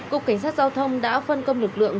cục cảnh sát giao thông đã phân công lực lượng